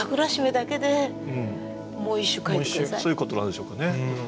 月面忘れてそういうことなんでしょうかね。